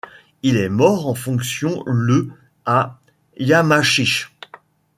Il est mort en fonction le à Yamachiche.